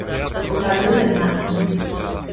Obradoiro de nanas.